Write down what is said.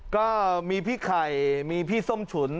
ก็มีพี่ไข่มีพี่ส้มฉุน